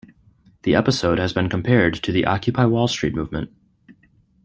The episode has been compared to the Occupy Wallstreet movement.